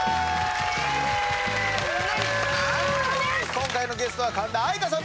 今回のゲストは神田愛花さん。